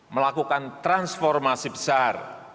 melakukan transformasi besar